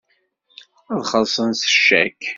Ad xellṣen s ccak.